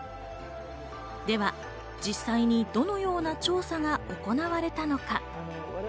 では実際に、どのような調査が行われたのか？